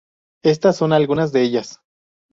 Estas son algunas de ellas.